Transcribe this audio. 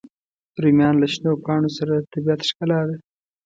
رومیان له شنو پاڼو سره د طبیعت ښکلا ده